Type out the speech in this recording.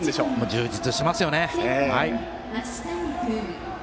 充実していますよね。